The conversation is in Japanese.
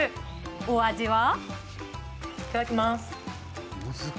お味は。